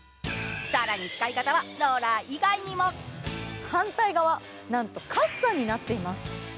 更に使い方はローラー以外にも反対側、なんとカッサになっています。